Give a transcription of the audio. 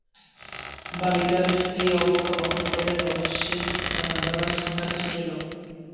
বালিকার এই অবজ্ঞা বহন করিয়া রমেশ শিল-নোড়ার সন্ধানে ছুটিল।